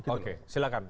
oke silakan pak